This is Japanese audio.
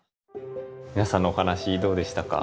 皆さんのお話どうでしたか？